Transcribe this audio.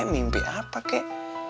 mimpi apa kek